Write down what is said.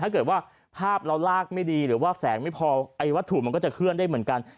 ถ้าเกิดว่าภาพเราลากไม่ดีหรือว่าแฝงไม่พอไอ้วัตถุมันก็จะเคลื่อนได้เหมือนกัน